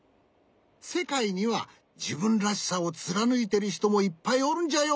せかいにはじぶんらしさをつらぬいてるひともいっぱいおるんじゃよ。